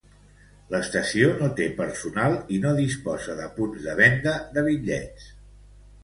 L'estació no té personal i no disposa de punts de venda de bitllets.